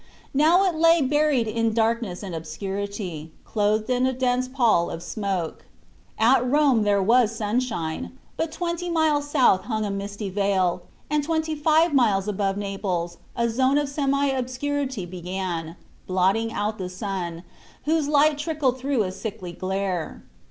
Now it lay buried in darkness and obscurity, clothed in a dense pall of smoke. At Rome there was sunshine, but twenty miles south hung a misty veil, and twenty five miles above Naples a zone of semi obscurity began, blotting out the sun, whose light trickled through with a sickly glare.